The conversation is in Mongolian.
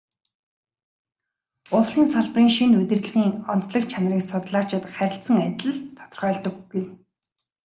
Улсын салбарын шинэ удирдлагын онцлог чанарыг судлаачид харилцан адил тодорхойлдоггүй.